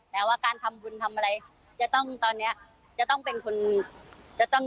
แต่ว่าการทำบุญทำอะไรจะต้องตอนเนี้ยจะต้องเป็นคนจะต้อง